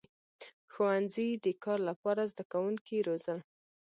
• ښوونځي د کار لپاره زدهکوونکي روزل.